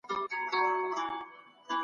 دولتونه د سولي په فضا کي خپل پرمختګ ویني.